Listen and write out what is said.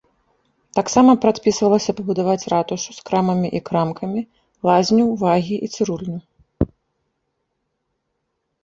Таксама прадпісвалася пабудаваць ратушу з крамамі і крамкамі, лазню, вагі і цырульню.